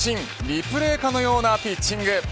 リプレーかのようなピッチング。